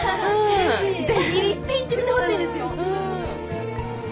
ぜひいっぺん行ってみてほしいんですよ。